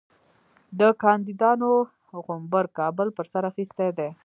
د کاندیدانو غومبر کابل پر سر اخیستی دی.